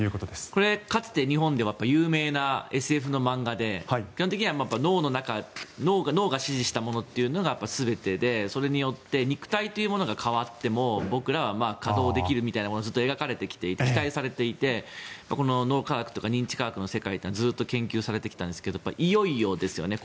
これ、かつて日本では有名なＳＦの漫画で基本的には脳が指示したものというのが全てでそれによって肉体というものが変わっても僕らは稼働できるみたいなことが描かれてきて期待されていて脳科学というか認知科学の世界はずっと研究されてきたんですがいよいよですよね。